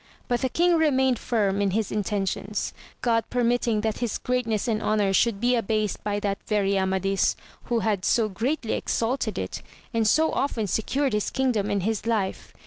But the king remained firm in his intentions, God per mitting that his greatness and honour should be abased by that very Amadis, who had so greatly exalted it, and so often secured his kingdom and his life.